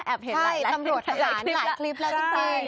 แอบเห็นหลายละทีหลายคลิปแล้วจริง